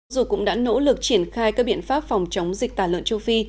dù cũng đã nỗ lực triển khai các biện pháp phòng chống dịch tả lợn châu phi